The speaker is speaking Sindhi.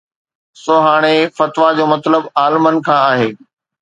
سو هاڻي فتويٰ جو مطلب عالمن کان آهي